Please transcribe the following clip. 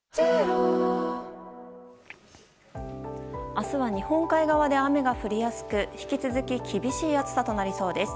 明日は日本海側で雨が降りやすく引き続き厳しい暑さとなりそうです。